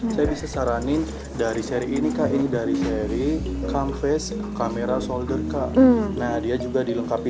saya bisa saranin dari seri ini kain dari seri canvas camera shoulder kak nah dia juga dilengkapi